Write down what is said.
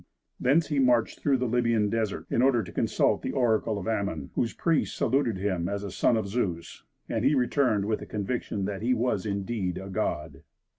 Thence he marched through the Libyan Desert, in order to consult the oracle of Ammon, whose priest saluted him as a son of Zeus; and he returned with the conviction that he was indeed a god.